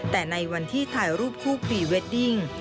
แต่ในวันที่ถ่ายรูปคู่พรีเวดดิ้ง